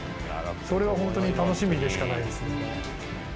それが本当に楽しみでしかないですね。